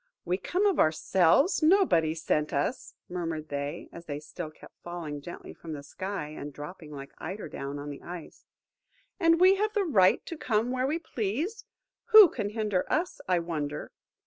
"We come of ourselves, nobody sent us," murmured they, as they still kept falling gently from the sky, and dropping like eider down on the ice; "and we have the right to come where we please. Who can hinder us, I wonder?